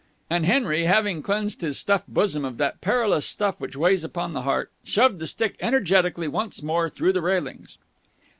And Henry, having cleansed his stuff'd bosom of that perilous stuff which weighs upon the heart, shoved the stick energetically once more through the railings.